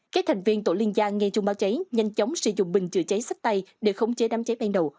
các thành viên tổ liên gia nghe chung báo cháy nhanh chóng sử dụng bình chữa cháy sách tay để khống chế đám cháy ban đầu